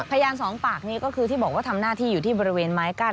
พยานสองปากนี้ก็คือที่บอกว่าทำหน้าที่อยู่ที่บริเวณไม้กั้น